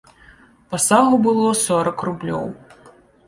Пасагу было сорак рублёў.